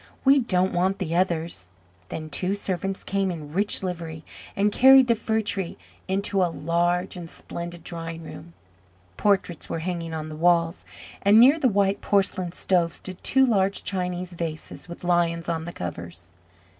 we don't want the others." Then two servants came in rich livery and carried the Fir tree into a large and splendid drawing room. Portraits were hanging on the walls, and near the white porcelain stove stood two large Chinese vases with lions on the covers.